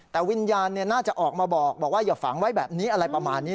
แต่วิญญาณน่าจะออกมาบอกว่าอย่าฝังไว้แบบนี้อะไรประมาณนี้